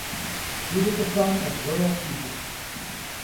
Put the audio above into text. He was the son of rural teachers.